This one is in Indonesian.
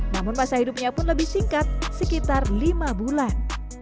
namun masa hidupnya pun lebih singkat sekitar lima bulan